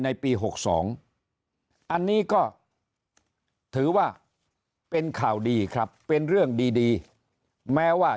ในปี๖๒อันนี้ก็ถือว่าเป็นข่าวดีครับเป็นเรื่องดีแม้ว่า